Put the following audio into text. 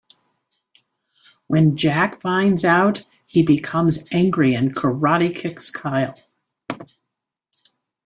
When Jack finds out he becomes angry and karate kicks Kyle.